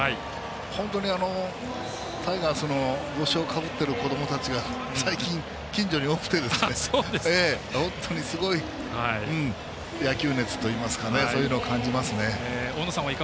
本当にタイガースの帽子をかぶっているこどもたちが最近、近所に多くて本当にすごい野球熱といいいますかそういうのを感じますね。